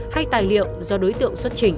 hay tài liệu do đối tượng xuất trình